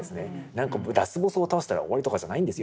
何かラスボスを倒したら終わりとかじゃないんですよ。